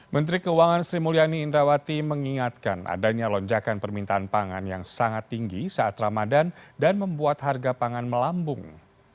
menteri keuangan sri mulyani indrawati mengingatkan adanya lonjakan permintaan pangan yang sangat tinggi saat ramadan dan membuat harga pangan melambung